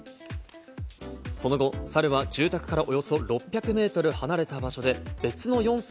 その後、サルは住宅からおよそ６００ｍ離れた場所で、別の４歳